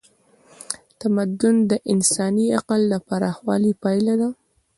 تمدن د انساني عقل د پراخوالي پایله ده.